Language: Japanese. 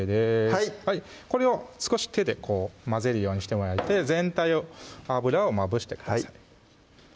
はいこれを少し手でこう混ぜるようにしてもらって全体を油をまぶしてください